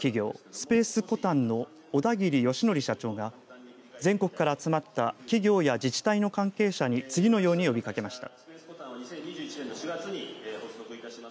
スペースコタンの小田切義憲社長が全国から集まった企業や自治体の関係者に次のように呼びかけました。